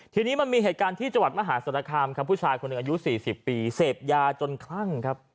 ทีนี้มันมีเหตุการณ์ที่จังหวัดมหาศาลคามครับผู้ชายคนหนึ่งอายุ๔๐ปีเสพยาจนคลั่งครับ